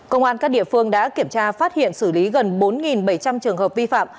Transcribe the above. công an các địa phương đã kiểm tra phát hiện xử lý gần bốn bảy trăm linh trường hợp vi phạm